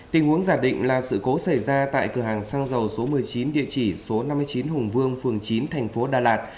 tình huống giả định là sự cố xảy ra tại cửa hàng xăng dầu số một mươi chín địa chỉ số năm mươi chín hùng vương phường chín thành phố đà lạt